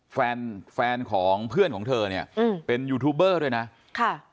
แฟนแฟนของเพื่อนของเธอเนี่ยอืมเป็นยูทูบเบอร์ด้วยนะค่ะ